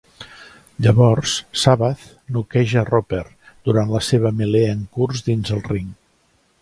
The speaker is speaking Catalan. Llavors Shabazz noqueja Roper durant la seva melé en curs dins el ring.